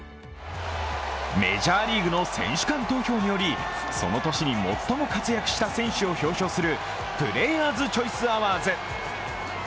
メジャーリーグの選手間投票によりその年に最も活躍した選手を表彰するプレーヤーズ・チョイス・アワーズ。